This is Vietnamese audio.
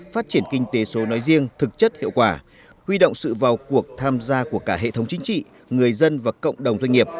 phát triển kinh tế số nói riêng thực chất hiệu quả huy động sự vào cuộc tham gia của cả hệ thống chính trị người dân và cộng đồng doanh nghiệp